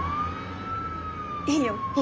いいよ。